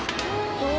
お！